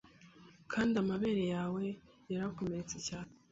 kandi amabere yawe yarakomeretse cyane